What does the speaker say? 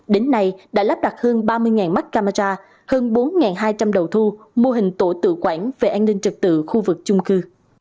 đến nay đã lắp đặt hơn ba mươi mắt camera hơn bốn hai trăm linh đầu thu mô hình tổ tự quản về an ninh trật tự khu vực chung cư